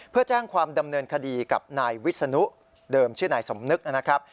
เพื่อแจ้งความดำเนินคดีกับนายวิศนุเดิมชื่อนายสมนึกนะครับ